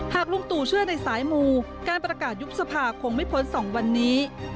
ลุงตู่เชื่อในสายมูการประกาศยุบสภาคงไม่พ้น๒วันนี้